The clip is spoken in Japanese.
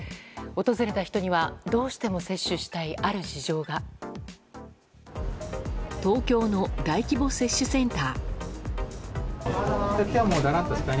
訪れた人にはどうしても接種したい東京の大規模接種センター。